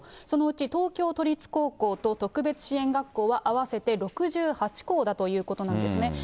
そのうち東京都立高校と特別支援学校は合わせて６８校だということなんですね。